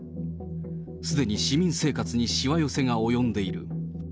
すでに市民生活にしわ寄せが及んでいる。